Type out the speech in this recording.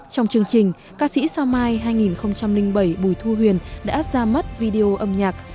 trong chương trình ca sĩ sao mai hai nghìn bảy bùi thu huyền đã ra mắt video âm nhạc